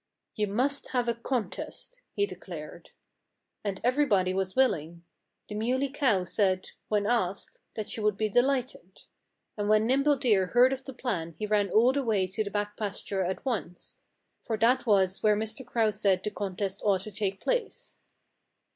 "You must have a contest," he declared. And everybody was willing. The Muley Cow said (when asked) that she would be delighted. And when Nimble Deer heard of the plan he ran all the way to the back pasture at once. For that was where Mr. Crow said the contest ought to take place.